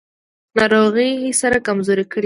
ناروغۍ سره کمزوری کړی و.